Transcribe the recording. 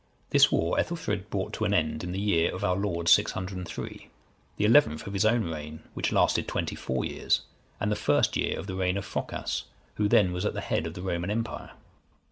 This war Ethelfrid brought to an end in the year of our Lord 603, the eleventh of his own reign, which lasted twenty four years, and the first year of the reign of Phocas, who then was at the head of the Roman empire.